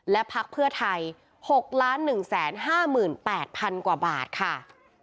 และพักเพื่อไทย๖๑๕๘๐๐๐กว่าบาทค่ะ